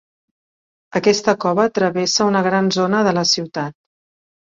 Aquesta cova travessa una gran zona de la ciutat.